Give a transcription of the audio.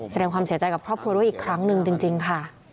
แสดงความเสียใจกับพระพุทธอีกครั้งหนึ่งจริงค่ะ